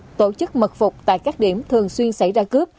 đồng thời tổ chức mật phục tại các điểm thường xuyên xảy ra cướp